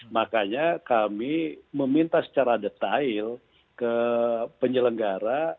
makanya kami meminta secara detail ke penyelenggara